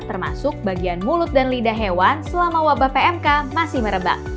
termasuk bagian mulut dan lidah hewan selama wabah pmk masih merebak